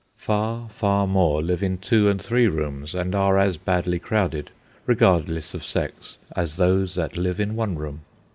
Far, far more live in two and three rooms and are as badly crowded, regardless of sex, as those that live in one room.